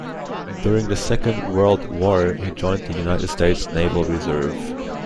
During the Second World War, he joined the United States Naval Reserve.